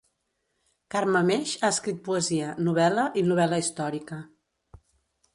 Carme Meix ha escrit poesia, novel·la i novel·la històrica.